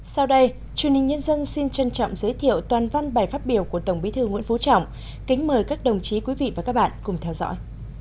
sau đây truyền hình nhân dân xin trân trọng giới thiệu toàn văn bài phát biểu của tổng bí thư nguyễn phú trọng kính mời các đồng chí quý vị và các bạn cùng theo dõi